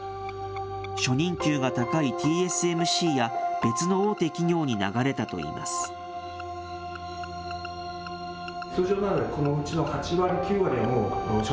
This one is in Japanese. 初任給が高いＴＳＭＣや、別の大手企業に流れたといいます。